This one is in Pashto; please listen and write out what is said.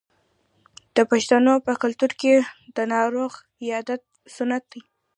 د پښتنو په کلتور کې د ناروغ عیادت سنت دی.